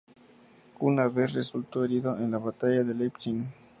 Una vez más resultó herido en la batalla de Leipzig.